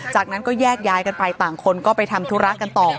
จากนั้นก็แยกย้ายกันไปต่างคนก็ไปทำธุระกันต่อ